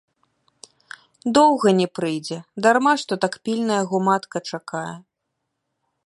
Доўга не прыйдзе, дарма што так пільна яго матка чакае.